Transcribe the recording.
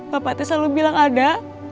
bapak selalu bilang ada